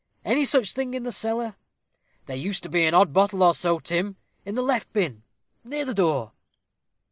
Any such thing in the cellar? There used to be an odd bottle or so, Tim in the left bin, near the door."